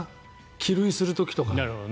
帰塁する時とか。